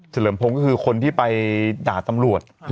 เลิมพงศ์ก็คือคนที่ไปด่าตำรวจ